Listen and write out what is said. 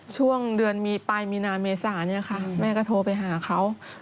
ช่วงเดือนมีปลายมีนาเมษาเนี่ยค่ะแม่ก็โทรไปหาเขา